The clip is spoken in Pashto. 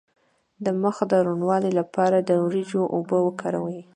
د مخ د روڼوالي لپاره د وریجو اوبه وکاروئ